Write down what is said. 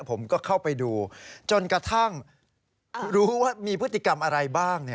ผมก็เข้าไปดูจนกระทั่งรู้ว่ามีพฤติกรรมอะไรบ้าง